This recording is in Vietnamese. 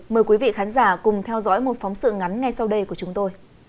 mời quý vị khán giả cùng theo dõi một phóng sự ngắn ngay sau đây của chúng tôi